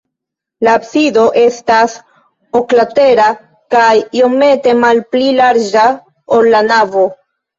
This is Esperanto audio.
La absido estas oklatera kaj iomete malpli larĝa, ol la navo.